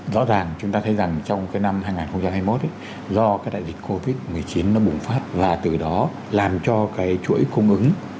rõ ràng chúng ta thấy rằng trong năm hai nghìn hai mươi một do đại dịch covid một mươi chín bùng phát và từ đó làm cho chuỗi cung ứng